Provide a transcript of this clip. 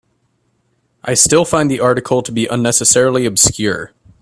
I still find the article to be unnecessarily obscure.